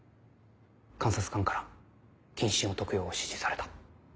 監察官から謹慎を解くよう指示された。